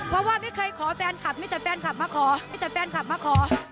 เพราะว่าไม่เคยขอแฟนคลับไม่แต่แฟนคลับมาขอ